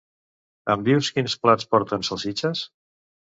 Em dius quins plats porten salsitxes.